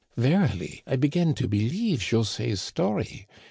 Verily, I begin to believe Jose's story.